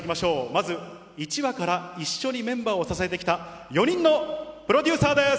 まず１話から一緒にメンバーを支えてきた、４人のプロデューサーです。